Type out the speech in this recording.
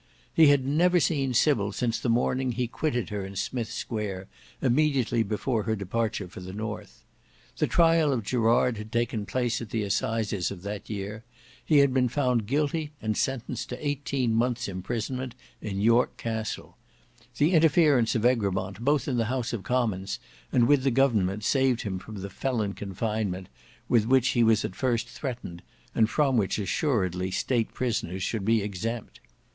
He had never seen Sybil since the morning he quitted her in Smith's Square, immediately before her departure for the North. The trial of Gerard had taken place at the assizes of that year: he had been found guilty and sentenced to eighteen months imprisonment in York Castle; the interference of Egremont both in the House of Commons and with the government saved him from the felon confinement with which he was at first threatened, and from which assuredly state prisoners should be exempt.